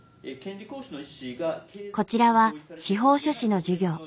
こちらは司法書士の授業。